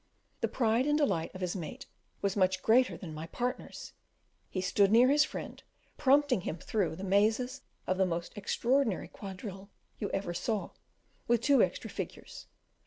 The pride and delight of his mate was much greater than my partner's; he stood near his friend, prompting him through the mazes of the most extraordinary quadrille you ever saw, with two extra figures.